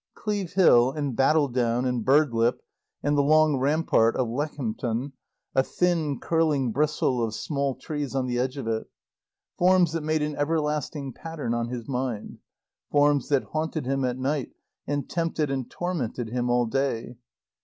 Cleeve Hill and Battledown and Birdlip, and the long rampart of Leckhampton, a thin, curling bristle of small trees on the edge of it; forms that made an everlasting pattern on his mind; forms that haunted him at night and tempted and tormented him all day.